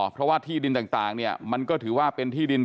เพราะว่าที่ดินต่างเนี่ยมันก็ถือว่าเป็นที่ดิน